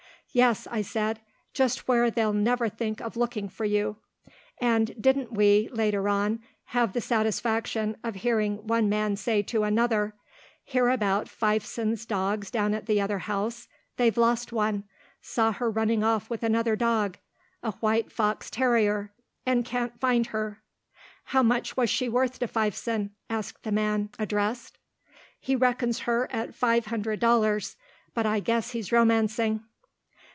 "Yes," I said, "just where they'll never think of looking for you," and didn't we, later on, have the satisfaction of hearing one man say to another, "Hear about Fifeson's dogs down at the other house? they've lost one saw her running off with another dog a white fox terrier, and can't find her." "How much was she worth to Fifeson?" asked the man addressed. "He reckons her at five hundred dollars, but I guess he's romancing."